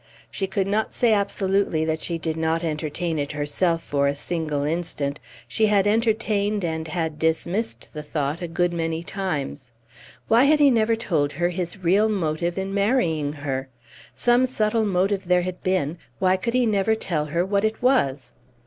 She could not say absolutely that she did not entertain it herself for a single instant. She had entertained and had dismissed the thought a good many times. Why had he never told her his real motive in marrying her? Some subtle motive there had been; why could he never tell her what it was?